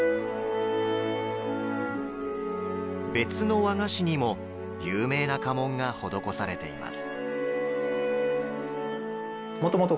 別の和菓子にも有名な家紋が施されています。